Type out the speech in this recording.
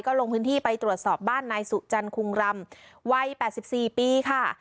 ลงพื้นที่ไปตรวจสอบบ้านนายสุจันคงรำวัย๘๔ปีค่ะ